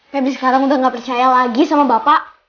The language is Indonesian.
tapi sekarang udah gak percaya lagi sama bapak